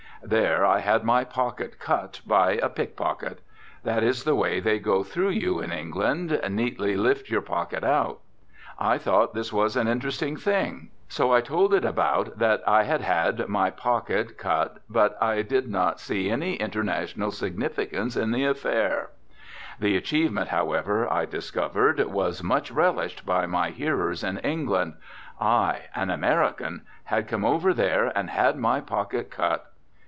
There I had my pocket "cut" by a pickpocket. That is the way they go through you in England, neatly lift your pocket out. I thought this was an interesting thing, so I told it about that I had had my pocket cut, but I did not see any international significance in the affair. The achievement, however, I discovered was much relished by my hearers in England. I, an American, had come over there and had my pocket cut.